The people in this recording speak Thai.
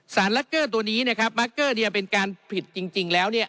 ลักเกอร์ตัวนี้นะครับมาร์เกอร์เนี่ยเป็นการผิดจริงแล้วเนี่ย